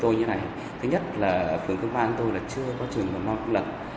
thứ nhất là phường khương mai của tôi chưa có trường hồn non cũng lập